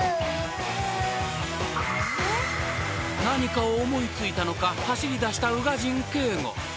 ［何かを思い付いたのか走りだした宇賀神圭吾］